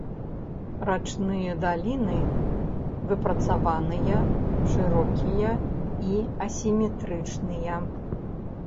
Рачныя даліны выпрацаваныя, шырокія і асіметрычныя.